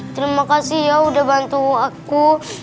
terima kasih ya udah bantu aku